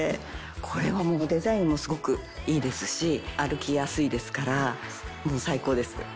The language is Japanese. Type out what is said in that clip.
これはデザインもすごくいいですし歩きやすいですからもう最高です。